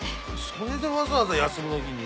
それでわざわざ休みの日に？